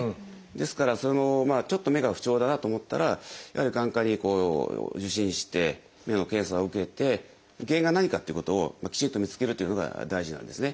ですからちょっと目が不調だなと思ったらやはり眼科に受診して目の検査を受けて原因が何かっていうことをきちんと見つけるというのが大事なんですね。